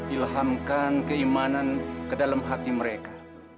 ilhamkan keimanan ke dalam hati mereka